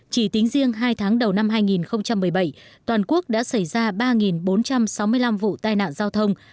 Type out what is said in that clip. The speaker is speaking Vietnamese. chỉ tính riêng hai tháng đầu năm hai nghìn một mươi bảy toàn quốc đã xảy ra ba bốn trăm sáu mươi năm vụ tai nạn giao thông